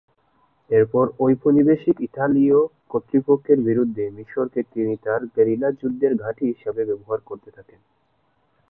এরপর ঔপনিবেশিক ইতালীয় কর্তৃপক্ষের বিরুদ্ধে মিশরকে তিনি তার গেরিলা যুদ্ধের ঘাঁটি হিসেবে ব্যবহার করতে থাকেন।